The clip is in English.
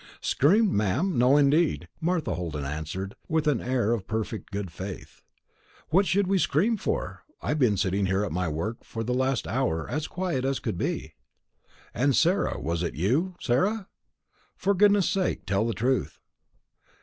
"Screamed, ma'am! no, indeed," Martha Holden answered, with an air of perfect good faith. "What should we scream for? I've been sitting here at my work for the last hour, as quiet as could be." "And, Sarah, was it you, Sarah? For goodness' sake tell the truth."